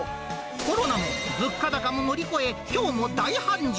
コロナも物価高も乗り越え、きょうも大繁盛。